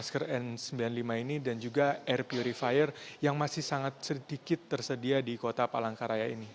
masker n sembilan puluh lima ini dan juga air purifier yang masih sangat sedikit tersedia di kota palangkaraya ini